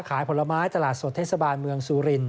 ขายผลไม้ตลาดสดเทศบาลเมืองสุริน